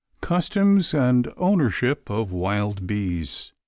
CUSTOMS AND OWNERSHIP OF WILD BEES.